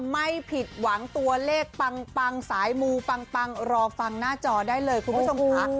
ไม่ผิดหวังตัวเลขปังสายมูปังรอฟังหน้าจอได้เลยคุณผู้ชมค่ะ